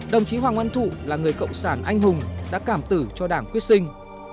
đồng chí hoàng oanh thụ là người cộng sản anh hùng đã cảm tử cho đảng quyết sinh